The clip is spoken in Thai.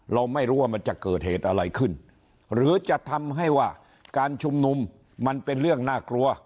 เราไม่รู้ว่ามันจะเกิดเหตุอะไรขึ้นหรือจะทำให้ว่าการชุมนุมมันเป็นเรื่องน่ากลัว